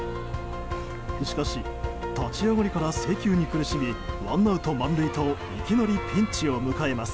しかし立ち上がりから制球に苦しみワンアウト満塁といきなりピンチを迎えます。